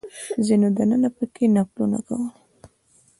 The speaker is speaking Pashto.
ځینو دننه په کې نفلونه کول.